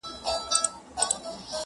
د خوشحال پر لار چي نه درومي پښتونه،